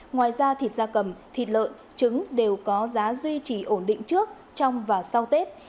ngoài ra thịt da cầm thịt lợn trứng đều có giá duy trì ổn định trước trong và sau tết